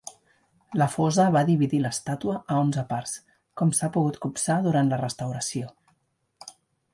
La fosa va dividir l'estàtua a onze parts, com s'ha pogut copsar durant la restauració.